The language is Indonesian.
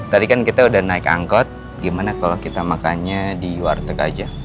tadi kan kita udah naik angkot gimana kalau kita makannya di warteg aja